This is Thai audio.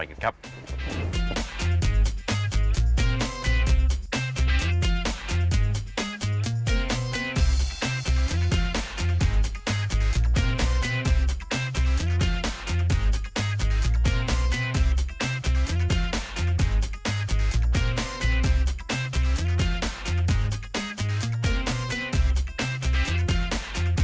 คุณผู้ชมครับขึ้นแล้วครับร้านบ้านกลางน้ำหนึ่งครับ